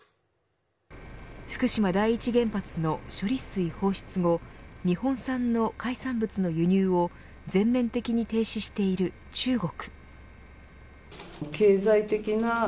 福島第一原発の処理水放出後日本産の海産物の輸入を全面的に停止している中国。